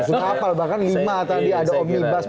bisa hafal bahkan lima tadi ada om ibas